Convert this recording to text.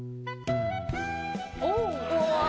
うわ！